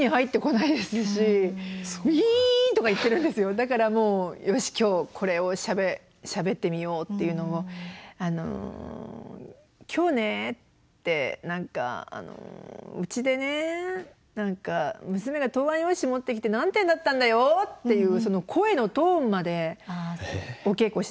だからもう「よし今日これをしゃべってみよう」っていうのを「あの今日ね」って何か「うちでね娘が答案用紙持ってきて何点だったんだよ」っていうその声のトーンまでお稽古しながら行きましたね。